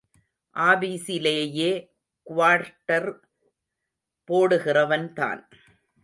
ஆபீஸிலேயே quarter போடுகிற வன்தான்.